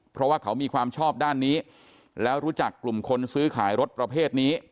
เพราะว่าเขามีความชอบด้านนี้แล้วรู้จักกลุ่มคนซื้อขายรถประเภทนี้